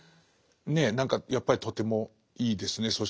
ねえ何かやっぱりとてもいいですね。